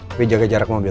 tapi jaga jarak mobil